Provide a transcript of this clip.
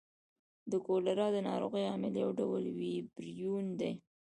د کولرا د نارغۍ عامل یو ډول ویبریون دی.